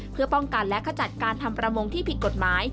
เพื่อป้องกันและขจัดการทำประมงที่ผิดกฎหมาย